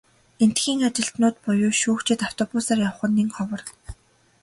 Эндэхийн ажилтнууд буюу шүүгчид автобусаар явах нь нэн ховор.